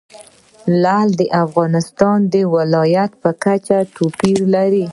لعل د افغانستان د ولایاتو په کچه توپیر لري.